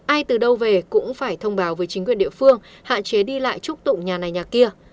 ai từ đâu về cũng phải thông báo với chính quyền địa phương hạn chế đi lại trúc tụng nhà này nhà kia